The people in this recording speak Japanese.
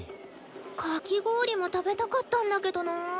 かき氷も食べたかったんだけどな。